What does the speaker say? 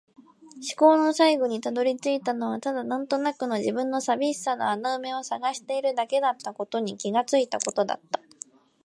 思考の最後に辿り着いたのはただ、なんとなくの自分の寂しさの穴埋めを探しているだけだったことに気がついたことだった。